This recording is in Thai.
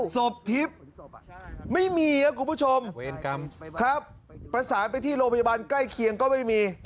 สบทิศไม่มีอะคุณผู้ชมเรียนกรรมครับประสาทไปที่โรงพยาบาลใกล้เคียงก็ไม่มี